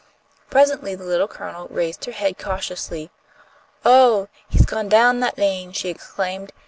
Presently the Little Colonel raised her head cautiously. "Oh, he's gone down that lane!" she exclaimed.